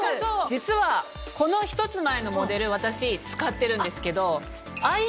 実はこの１つ前のモデル私使ってるんですけど。